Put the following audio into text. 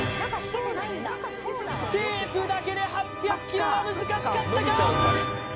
テープだけで８００ｋｇは難しかったか？